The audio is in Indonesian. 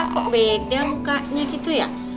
kok beda mukanya gitu ya